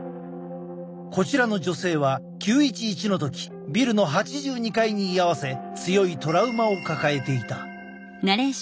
こちらの女性は９．１１の時ビルの８２階に居合わせ強いトラウマを抱えていた。